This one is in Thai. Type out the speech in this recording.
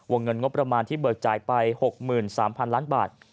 เงินงบประมาณที่เบิกจ่ายไป๖๓๐๐๐ล้านบาท